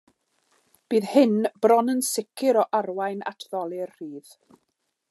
Bydd hyn bron yn sicr o arwain at ddolur rhydd.